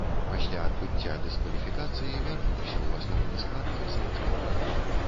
Пасля адбыцця дыскваліфікацыі вярнуўся ў асноўны склад барысаўчан.